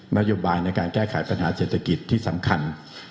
นโยบายในการแก้ไขปัญหาเศรษฐกิจที่สำคัญ